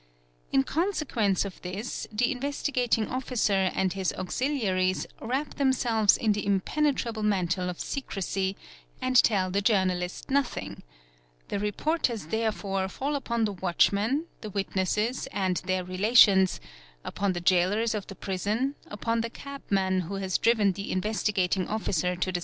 In consequence of this the Investigating Officer _and his auxiliaries wrap themselves in the impenetrable mantle of secrecy, and tell the journalist nothing; the reporters therefore fall upon the | watchmen, the witnesses, and their relations, upon the jailors of the | prison, upon the cabman who has driven the Investigating Officer to the.